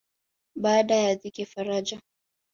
Baada ya dhiki faraja